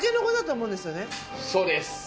そうです。